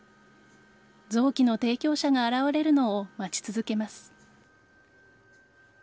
臓器の提供者が現れるのを待ち続けます。